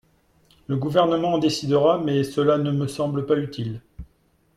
Le Gouvernement en décidera, mais cela ne me semble pas utile.